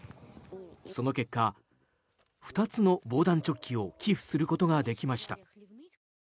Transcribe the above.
その結果、２つの防弾チョッキを寄付することができました。